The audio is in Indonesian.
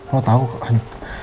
lo tau kan